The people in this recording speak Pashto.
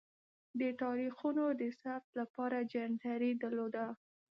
د تاریخونو د ثبت لپاره جنتري درلوده.